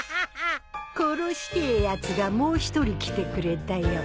殺してえやつがもう一人来てくれたよ。